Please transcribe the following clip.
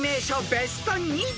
ベスト２０］